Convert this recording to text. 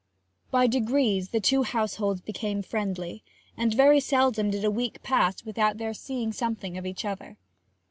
By degrees the two households became friendly, and very seldom did a week pass without their seeing something of each other.